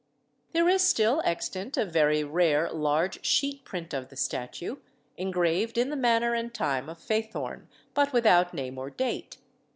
There is still extant a very rare large sheet print of the statue, engraved in the manner and time of Faithorne, but without name or date.